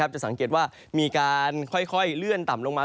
จะสังเกตว่ามีการค่อยเลื่อนต่ำลงมา